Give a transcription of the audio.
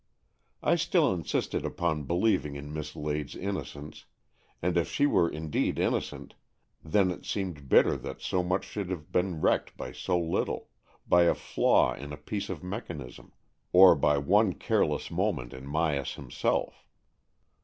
I still insisted upon believing in Miss Lade's innocence; and if she were indeed innocent, then it seemed bitter that so much should have been wrecked by so little — by a flaw in a piece of mechanism, or by one careless moment in Myas himself.